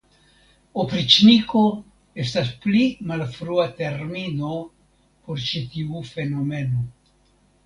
Opriĉniko estas pli malfrua termino por ĉi tiu fenomeno.